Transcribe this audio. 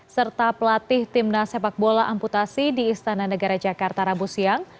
serta pelatih timnas sepak bola amputasi di istana negara jakarta rabu siang